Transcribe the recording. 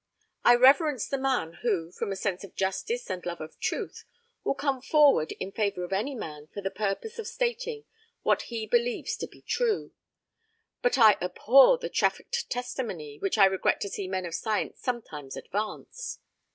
I reverence the man who, from a sense of justice and love of truth, will come forward in favour of any man for the purpose of stating what he believes to be true; but I abhor the trafficked testimony which I regret to see men of science sometimes advance.